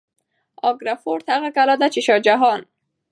اګره فورت هغه کلا ده چې شاه جهان